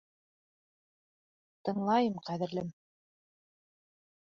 Тыңлайым, ҡәҙерлем!